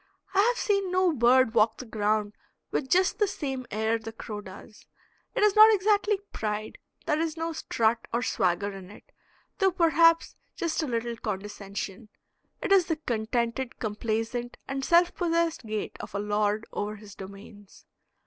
I have seen no bird walk the ground with just the same air the crow does. It is not exactly pride; there is no strut or swagger in it, though perhaps just a little condescension; it is the contented, complaisant, and self possessed gait of a lord over his domains.